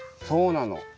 そうなの。